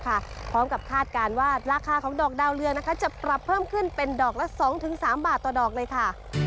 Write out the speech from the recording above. คาดการณ์ว่าราคาของดอกดาวเรืองนะคะจะปรับเพิ่มขึ้นเป็นดอกละ๒๓บาทต่อดอกเลยค่ะ